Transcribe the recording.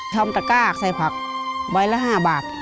ทำตะกากใส่ผักไว้ละ๕บาท